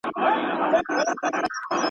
ته ښه سړى ئې، د ورور دي مور دا مانه کوم.